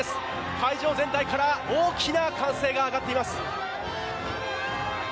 会場全体から大きな歓声が上がっています。